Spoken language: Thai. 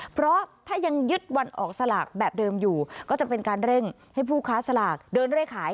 เพราะถ้ายังยึดวันออกสลากแบบเดิมอยู่ก็จะเป็นการเร่งให้ผู้ค้าสลากเดินเร่ขาย